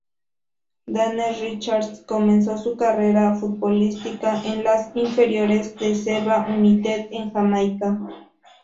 Dane Richards comenzó su carrera futbolística en las inferiores de Seba United en Jamaica.